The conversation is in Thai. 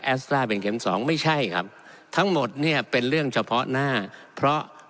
สต้าเป็นเข็มสองไม่ใช่ครับทั้งหมดเนี่ยเป็นเรื่องเฉพาะหน้าเพราะ